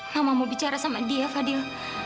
kamu mau bicara sama dia fadil